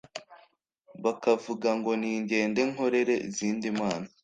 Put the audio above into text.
bakavuga ngo ningende nkorere izindi mana.